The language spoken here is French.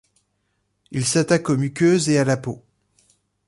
Il s’attaque aux muqueuses et à la peau.